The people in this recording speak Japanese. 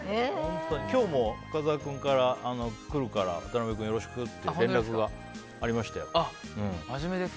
今日も深澤君から、来るから渡辺君よろしくって連絡がありましたよ。